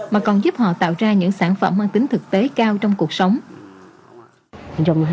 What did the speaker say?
mà còn giúp họ tạo ra những sản phẩm mang tính thực tế cao trong cuộc sống